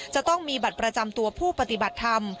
จะต้องมีบัตรประจำตัวผู้ปฏิบัติธรรม